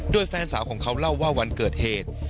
โดยแฟนสาวของเขาเล่าว่าวันเกิดเหตุ